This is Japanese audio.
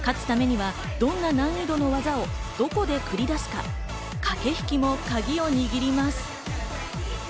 勝つためにはどんな難易度の技をどこで繰り出すか、駆け引きのカギを握ります。